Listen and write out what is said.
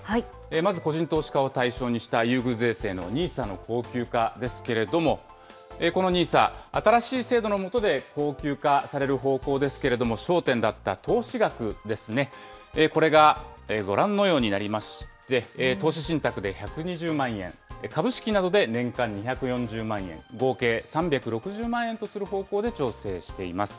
まず個人投資家を対象にした優遇税制のＮＩＳＡの恒久化ですけれども、このＮＩＳＡ、新しい制度の下で恒久化される方向ですけれども、焦点だった投資額ですね、これがご覧のようになりまして、投資信託で１２０万円、株式などで年間２４０万円、合計３６０万円とする方向で調整しています。